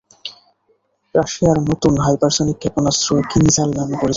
রাশিয়ার নতুন হাইপারসনিক ক্ষেপণাস্ত্র কিনঝাল নামে পরিচিত।